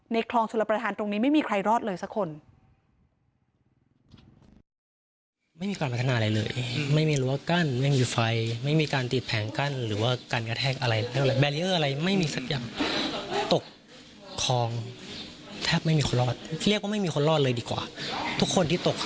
คลองชลประธานตรงนี้ไม่มีใครรอดเลยสักคน